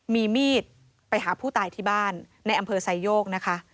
มีมีดไปหาผู้ตายที่บ้านในอำเภอไซโยกนะคะ